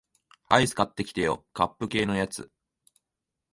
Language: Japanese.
アイス買ってきてよ、カップ系のやつ